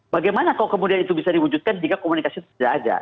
bagaimana kalau kemudian itu bisa diwujudkan jika komunikasi itu tidak ada